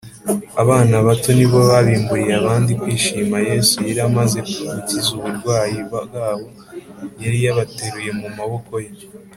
abana bato nibo babimburiye abandi kwishima yesu yari amaze gukiza uburwayi bwabo; yari yabateruye mu maboko ye